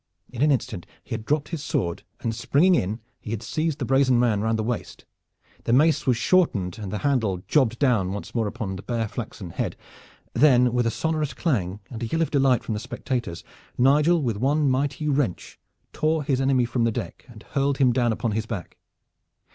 In an instant he had dropped his sword, and springing in he had seized the brazen man round the waist. The mace was shortened and the handle jobbed down once upon the bare flaxen head. Then, with a sonorous clang, and a yell of delight from the spectators, Nigel with one mighty wrench tore his enemy from the deck and hurled him down upon his back.